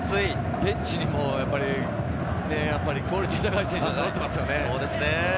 ベンチにもクオリティーの高い選手がそろっていますね。